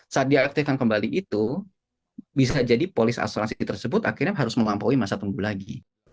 saat diaktifkan kembali itu bisa jadi polis asuransi tersebut akhirnya harus melampaui masa tunggu lagi